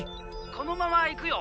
「このまま行くよ」。